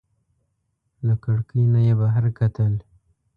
له کړکۍ نه یې بهر کتل.